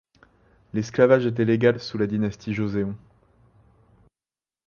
L'esclavage était légal sous la dynastie Joseon.